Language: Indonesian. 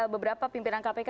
beberapa pimpinan kpk